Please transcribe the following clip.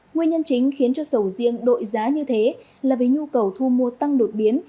nguyên nhân chính khiến cho sầu riêng đội giá như thế là vì nhu cầu thu mua tăng đột biến